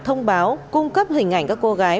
thông báo cung cấp hình ảnh các cô gái